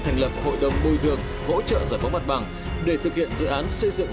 thành lập hội đồng bồi thường hỗ trợ giải phóng mặt bằng để thực hiện dự án xây dựng